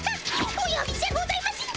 およびじゃございませんか。